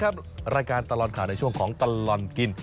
รายการตลอดข่าวในช่วงของตลอดกิน